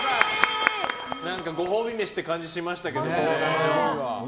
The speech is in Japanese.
ご褒美飯っていう感じがしましたけどね。